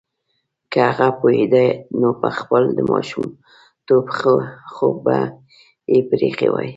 که هغه پوهیدای نو خپل د ماشومتوب خوب به یې پریښی وای